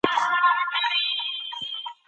دا څانګه د پېښو اصلي علتونه لټوي.